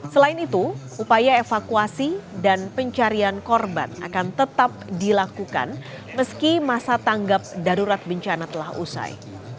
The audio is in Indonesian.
selain itu upaya evakuasi dan pencarian korban akan tetap dilakukan meski masa tanggap darurat bencana telah usai